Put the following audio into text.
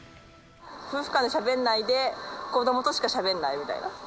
夫婦間でしゃべんないで、子どもとしかしゃべんないみたいな。